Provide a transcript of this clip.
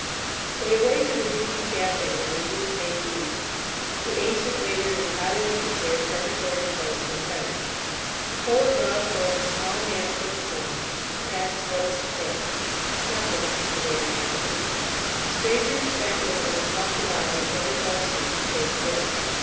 They awake in the dingy café in the Rue St. Louis. The ancient waiter is piling up the chairs preparatory to closing the shutters. The Poet draws forth his small handful of coins; asks what is to pay. "Nothing," the waiter answers. A stranger who sat with them and talked awhile before they fell asleep has paid the bill.